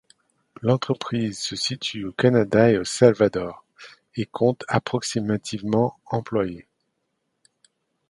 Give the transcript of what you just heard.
L’entreprise se situe au Canada et au Salvador et compte approximativement employés.